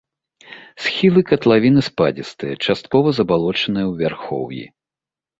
Схілы катлавіны спадзістыя, часткова забалочаныя ў вярхоўі.